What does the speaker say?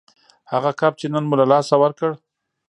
هغه کب چې نن مو له لاسه ورکړ